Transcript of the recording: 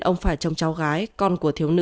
ông phải chồng cháu gái con của thiếu nữ mới về